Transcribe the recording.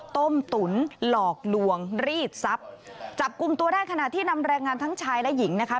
ต้มตุ๋นหลอกลวงรีดทรัพย์จับกลุ่มตัวได้ขณะที่นำแรงงานทั้งชายและหญิงนะคะ